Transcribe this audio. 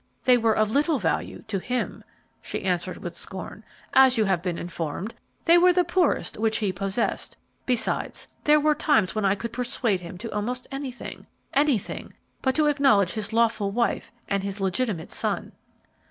"They were of little value to him," she answered, with scorn; "as you have been informed, they were the poorest which he possessed. Besides, there were times when I could persuade him to almost anything, anything but to acknowledge his lawful wife and his legitimate son."